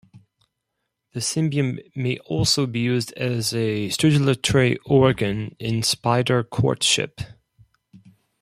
The cymbium may also be used as a stridulatory organ in spider courtship.